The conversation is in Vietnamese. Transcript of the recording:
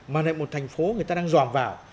mà lại một thành phố người ta đang dòm vào